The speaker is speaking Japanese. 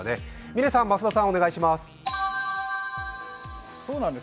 嶺さん、増田さん、お願いします。